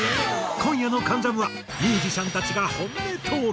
今夜の『関ジャム』はミュージシャンたちが本音トーク。